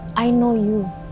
saya tahu anda